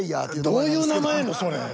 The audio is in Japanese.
どういう名前それ。